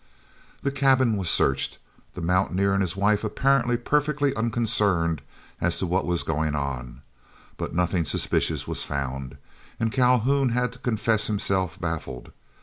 The cabin was searched—the mountaineer and his wife apparently perfectly unconcerned as to what was going on—but nothing suspicious was found, and Calhoun had to confess himself baffled.